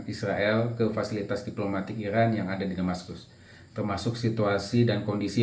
israel ke fasilitas diplomatik iran yang ada di damaskus termasuk situasi dan kondisi